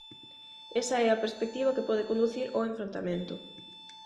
Esa é a perspectiva que pode conducir ó enfrontamento.